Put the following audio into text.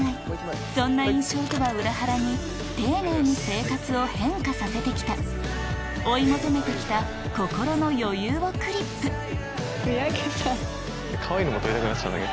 そんな印象とは裏腹に丁寧に生活を変化させて来た追い求めて来た心の余裕をクリップ三宅さん。